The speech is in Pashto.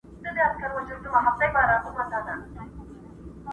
دا چي دي په سرو اناري سونډو توره نښه ده